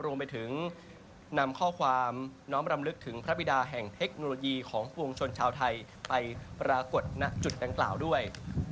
รวมไปถึงนำข้อความน้อมรำลึกถึงพระบิดาแห่งเทคโนโลยีของปวงชนชาวไทยไปปรากฏณจุดดังกล่าวด้วย